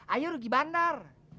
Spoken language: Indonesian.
aya rugi bandar